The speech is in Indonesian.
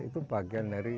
itu bagian dari